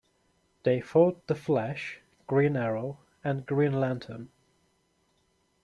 They fought The Flash, Green Arrow and Green Lantern.